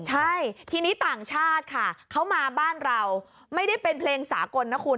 ใช่ทีนี้ต่างชาติค่ะเขามาบ้านเราไม่ได้เป็นเพลงสากลนะคุณ